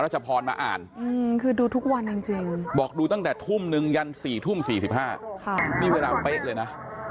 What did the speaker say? จึงยัน๔ทุ่ม๔๕นี่เวลาเป๊ะเลยนะ